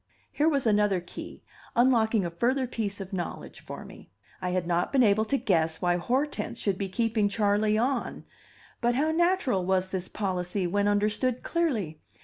Here was another key, unlocking a further piece of knowledge for me. I had not been able to guess why Hortense should be keeping Charley "on"; but how natural was this policy, when understood clearly!